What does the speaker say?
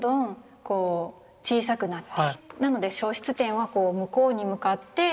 なので消失点はこう向こうに向かって。